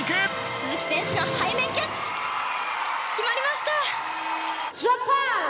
鈴木選手の背面キャッチ、決まりました！